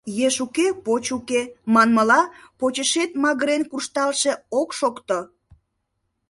Еш уке — поч уке, манмыла, почешет магырен куржталше ок шокто.